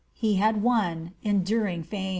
He had won enduring fame.